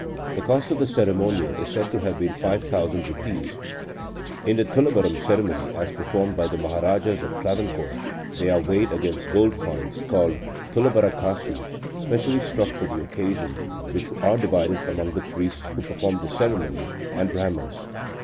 The cost of the ceremonial is said to have been five thousand rupees. In the thulabharam ceremony as performed by the Maharajas of Travancore, they are weighed against gold coins, called thulabhara kasu, specially struck for the occasion, which are divided among the priests who performed the ceremony, and Brahmans.